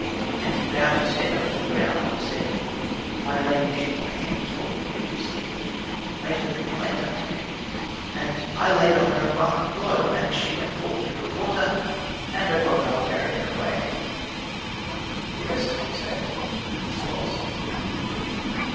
'" And he bowed his head unto the ground, and said, "My lady, she came and told me of these things, and made her complaint unto me; and I laid on her a violent blow. And she went forth to draw water, and a crocodile carried her away." _(The rest of the tale is lost.)